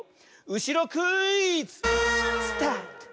うしろクイズ！スタート。